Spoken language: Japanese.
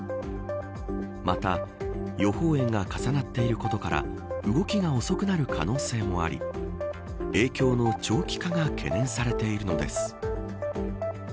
また、予報円が重なっていることから動きが遅くなる可能性もあり影響の長期化が懸念されているのです。